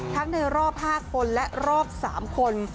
ในรอบ๕คนและรอบ๓คน